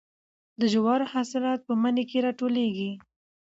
د جوارو حاصلات په مني کې راټولیږي.